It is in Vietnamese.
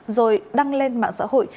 rồi đăng lên mạng xã hội